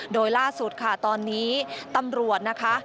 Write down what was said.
โดยล่าสุดค่ะตอนนี้ตำรวจนะคะ